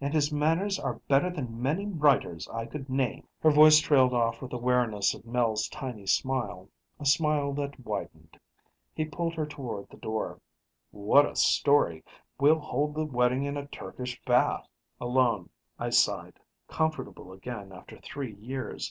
And his manners are better than many writers' I could name ..." Her voice trailed off with awareness of Mel's tiny smile a smile that widened. He pulled her toward the door. "What a story! We'll hold the wedding in a Turkish Bath." Alone, I sighed, comfortable again after three years.